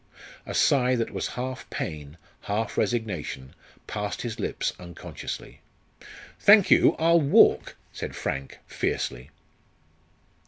A sigh that was half pain, half resignation, passed his lips unconsciously. "Thank you, I'll walk," said Frank, fiercely.